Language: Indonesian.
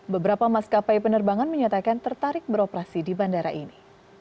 beberapa maskapai penerbangan menyatakan tertarik beroperasi di bandara ini